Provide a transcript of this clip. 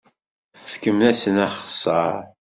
Fkem-asent axeṣṣar.